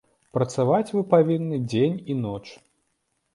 Працаваць вы павінны дзень і ноч.